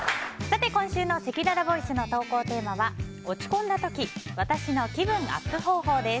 さて、今週のせきららボイスの投稿テーマは落ち込んだ時私の気分アップ方法です。